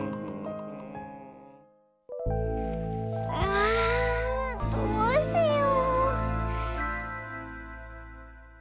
あどうしよう。